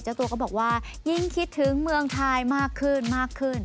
เจ้าตัวก็บอกว่ายิ่งคิดถึงเมืองไทยมากขึ้นมากขึ้น